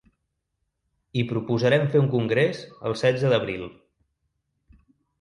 I proposarem fer un congrés el setze d’abril.